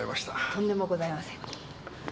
とんでもございません。